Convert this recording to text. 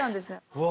うわ！